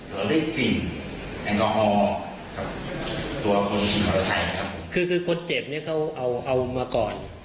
เกิดคือคนเจ็บเนี่ยเค้าเอามาก่อน